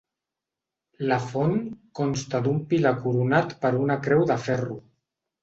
La font consta d'un pilar coronat per una creu de ferro.